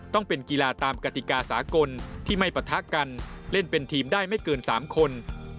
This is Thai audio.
ต้องเป็นกีฬาตามกติกาสากลที่ไม่ปะทะกันเล่นเป็นทีมได้ไม่เกิน๓คน